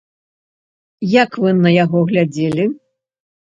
Як вы на яго глядзелі?